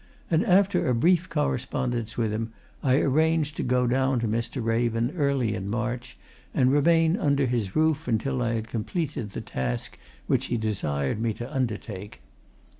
And after a brief correspondence with him, I arranged to go down to Mr. Raven early in March, and remain under his roof until I had completed the task which he desired me to undertake.